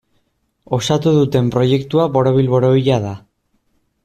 Osatu duten proiektua borobil-borobila da.